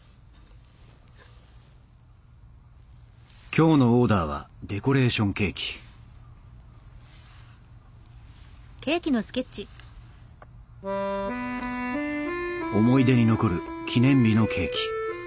今日のオーダーはデコレーションケーキ思い出に残る記念日のケーキ。